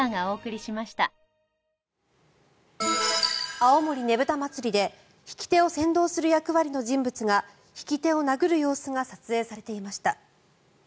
青森ねぶた祭で引き手を先導する役割の人物が引き手を殴る様子が撮影されていました。